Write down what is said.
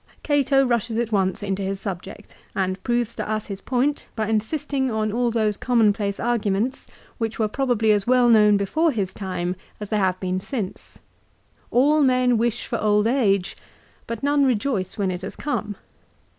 Cato rushes at once into his subject, and proves to us his point by insist ing on all those commonplace arguments which were probably as well known before his time as they have been since. All men wish for old age, but none rejoice when it has come.